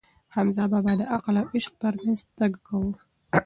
حمزه بابا د عقل او عشق ترمنځ تګ کاوه.